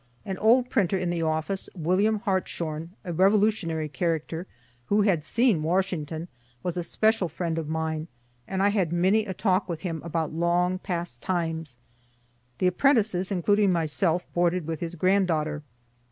An old printer in the office, William Hartshorne, a revolutionary character, who had seen Washington, was a special friend of mine, and I had many a talk with him about long past times. The apprentices, including myself, boarded with his grand daughter.